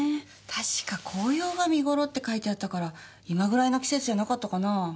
確か紅葉が見頃って書いてあったから今ぐらいの季節じゃなかったかなぁ。